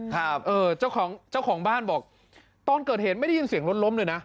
ครับเออเจ้าของเจ้าของบ้านบอกตอนเกิดเหตุไม่ได้ยินเสียงรถล้มเลยนะ